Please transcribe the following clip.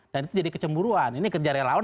dan itu jadi kecemburuan ini kerja relawan